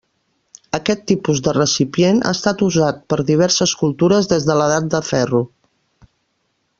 Aquest tipus de recipient ha estat usat per diverses cultures des de l'edat de ferro.